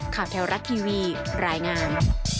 ข่าวแท้วรักทีวีรายงาน